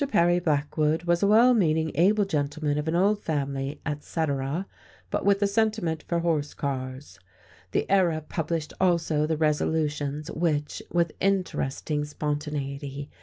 Perry Blackwood was a well meaning, able gentleman of an old family, etc., but with a sentiment for horse cars. The Era published also the resolutions which (with interesting spontaneity!)